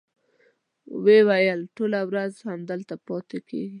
ویل یې ټوله ورځ همدلته پاتې کېږي.